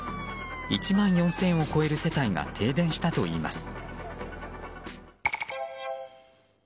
１万４０００を超える世帯が停電したといいます。